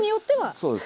そうです。